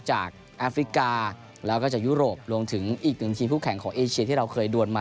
แอฟริกาแล้วก็จากยุโรปรวมถึงอีกหนึ่งทีมคู่แข่งของเอเชียที่เราเคยดวนมา